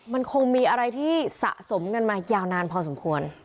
มันคงมีอะไรที่สะสมกันมายาวนานพอสมควร